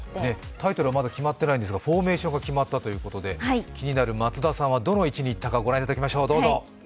タイトルはまだ決まっていないんですがフォーメーションが決まったということで気になる松田さんはどの位置にいったか、ご覧いただきましょう。